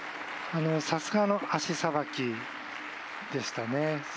さすがの足さばきでしたね。